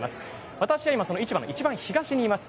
私は今その市場のいちばん東にいます。